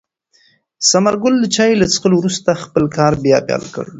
ثمر ګل د چای له څښلو وروسته خپل کار بیا پیل کړ.